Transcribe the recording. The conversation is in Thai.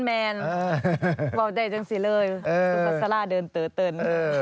แมนบอกใจจังสิเลยซุภัสราเดินเต๋อเต่น